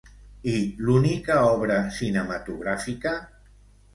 I l'única obra cinematogràfica?